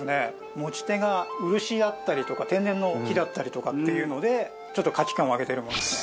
持ち手が漆だったりとか天然の木だったりとかっていうのでちょっと価値観を上げてるものですね。